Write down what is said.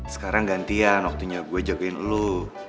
sekarang gantian waktunya gue jagain lu